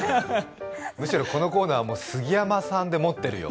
むしろ、このコーナーは杉山さんでもってるよ。